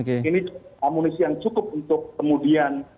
ini amunisi yang cukup untuk kemudian